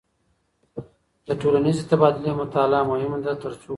د ټولنیزې تبادلې مطالعه مهمه ده ترڅو پوه سو.